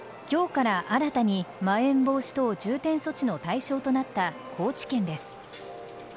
今日から新たにまん延防止等重点措置の対象となった高知県です。